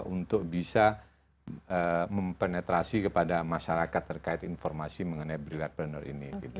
untuk bisa mempenetrasi kepada masyarakat terkait informasi mengenai brilliantpreneur ini